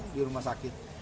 di rumah sakit